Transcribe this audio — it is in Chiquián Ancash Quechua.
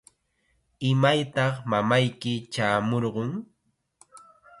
¿Imaytaq mamayki chaamurqun?